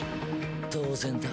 当然だ。